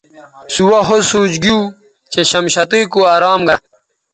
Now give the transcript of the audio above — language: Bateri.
سوہسوچ گیو چہ شمشتئ کو ارام گرہ